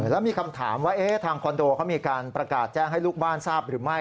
แล้วมีคำถามว่าทางคอนโดเขามีการประกาศแจ้งให้ลูกบ้านทราบหรือไม่